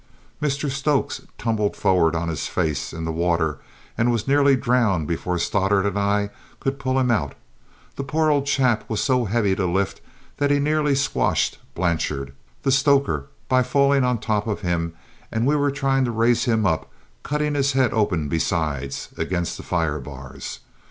Mr Stokes tumbled forwards on his face in the water and was nearly drowned before Stoddart and I could pull him out, the poor old chap was so heavy to lift, and he nearly squashed Blanchard, the stoker, by falling on top of him as we were trying to raise him up, cutting his head open besides, against the fire bars.